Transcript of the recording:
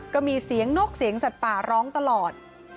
ก็มีเสียงนกเสียงสัตว์ป่าร้องตลอด